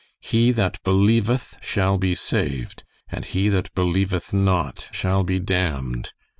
He that believeth shall be saved, and he that believeth not shall be damned.'